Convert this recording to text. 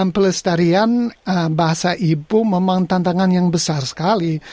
pelestarian bahasa ibu memang tantangan yang besar sekali